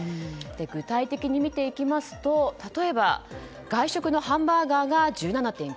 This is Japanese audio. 具体的に見ていきますと例えば外食のハンバーガーが１７．９％。